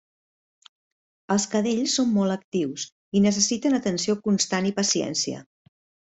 Els cadells són molt actius i necessiten atenció constant i paciència.